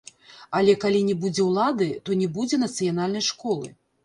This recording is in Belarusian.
Але калі не будзе ўлады, то не будзе нацыянальнай школы.